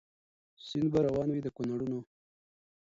سیند به روان وي د کونړونو